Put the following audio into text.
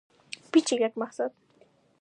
زردالو د افغانستان په اوږده تاریخ کې ذکر شوي دي.